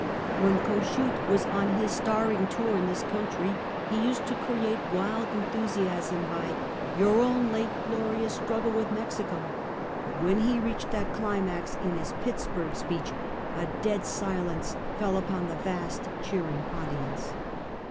When Kossuth was on his starring tour in this coun try, lie used to create wild enthusiasm by " Your own late glorious struggle with Mexico;" but when he reached that climax in his Pittsburg speech a dead si lence fell upon the vast, cheering audience.